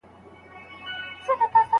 د احنافو په نظر دا مسئله څنګه ده؟